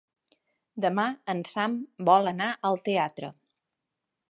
Demà en Sam vol anar al teatre.